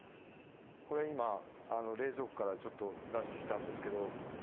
これ今冷蔵庫からちょっと出してきたんですけど。